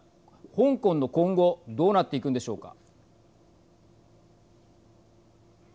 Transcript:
香港の今後どうなっていくんでしょうか。